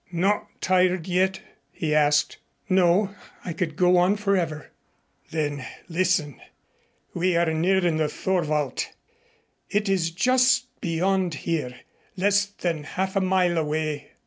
"Not tired yet?" he asked. "No. I could go on forever." "Then listen. We are nearing the Thorwald. It is just beyond here, less than half a mile away."